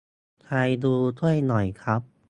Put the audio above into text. ใครรู้ช่วยหน่อยครับ